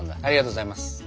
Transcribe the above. ありがとうございます。